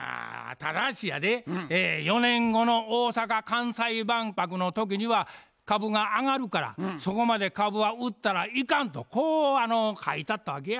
ただしやで４年後の大阪・関西万博の時には株が上がるからそこまで株は売ったらいかんとこう書いてあったわけや。